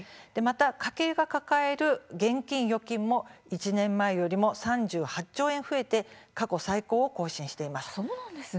また家計が抱える現金・預金も１年前より３８兆円増えて過去最高を更新しています。